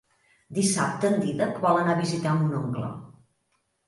Dissabte en Dídac vol anar a visitar mon oncle.